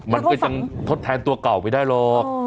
มันก็ยังทดแทนตัวเก่าไม่ได้หรอก